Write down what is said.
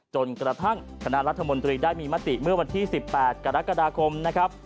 จนกระทั่งคณะรัฐมนตรีได้มีมติเมื่อวันที่๑๘กรกฎาคมนะครับ